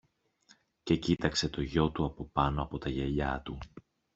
και κοίταξε το γιο του από πάνω από τα γυαλιά του.